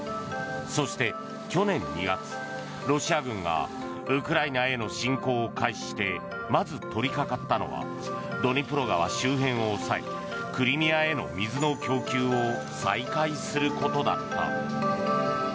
そして去年２月、ロシア軍がウクライナへの侵攻を開始してまず取り掛かったのはドニプロ川周辺を抑えクリミアへの水の供給を再開することだった。